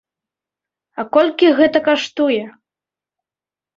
А колькі гэта каштуе?